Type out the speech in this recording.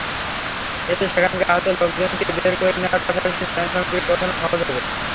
এতে সেখানকার আহত লোকজনকে বের করে নেওয়ার পাশাপাশি ত্রাণসামগ্রী পৌঁছানো সহজ হবে।